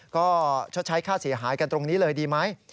ก็ชดใช้ค่าเสียหายกันตรงนี้เลยดีไหม